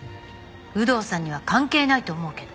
有働さんには関係ないと思うけど。